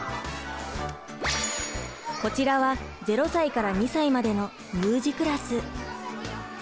こちらは０歳から２歳までの乳児クラス。